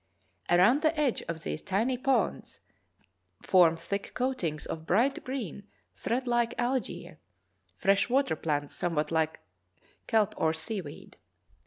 Around the edge of these tiny ponds form thick coatings of bright green, thread like algae (fresh water plants somewhat Hke kelp or sea weed).